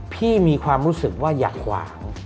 มีความรู้สึกว่าอย่าขวาง